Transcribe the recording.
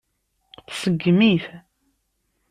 Tseggem-it.